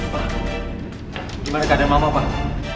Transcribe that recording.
gimana keadaan mama pak